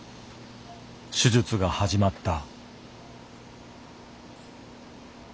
手術が始まった。